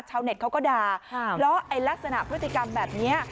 ชาวเน็ตเขาก็ด่าแล้วไอลักษณะพฤติกรรมแบบนี้